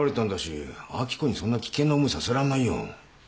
明子にそんな危険な思いさせらんないよ。